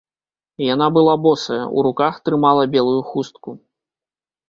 Яна была босая, у руках трымала белую хустку.